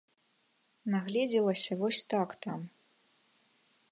Нагледзелася вось так там.